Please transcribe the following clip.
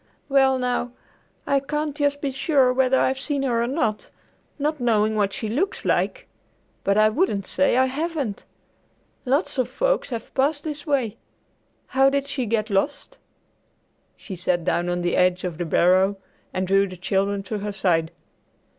"Well, now, I can't just be sure whether I've seen her or not, not knowing what she looks like, but I wouldn't say I haven't. Lots of folks have passed this way. How did she get lost?" She sat down on the edge of the barrow and drew the children to her side.